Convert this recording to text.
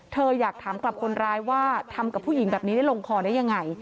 เธออยากถามกลับคนร้ายว่าทำกับผู้หญิงแบบนี้ได้ลงคอได้ยังไง